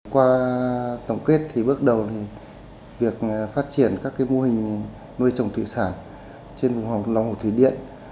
qua tổng kết thì bước đầu thì việc phát triển các mô hình nuôi trồng thủy sản trên vùng lòng hồ thủy điện